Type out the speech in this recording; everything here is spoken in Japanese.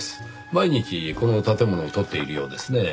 毎日この建物を撮っているようですねぇ。